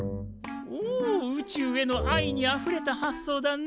おお宇宙への愛にあふれた発想だね。